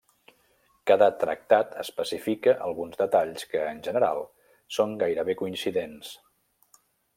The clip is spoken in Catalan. Cada tractat especifica alguns detalls que, en general, són gairebé coincidents.